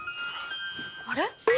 あれ？